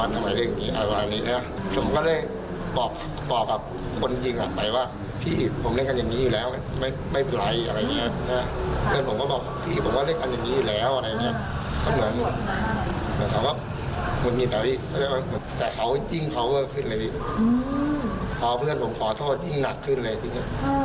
แต่เขาอิ่งพัวเวอร์ขึ้นเลยนิดพอเพื่อนผมขอโทษอิ่งหนักขึ้นเลยจริง